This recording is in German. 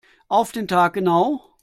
Auf den Tag genau.